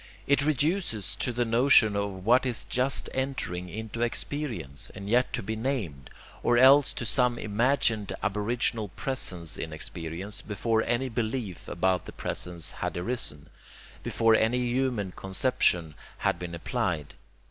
It reduces to the notion of what is just entering into experience, and yet to be named, or else to some imagined aboriginal presence in experience, before any belief about the presence had arisen, before any human conception had been applied.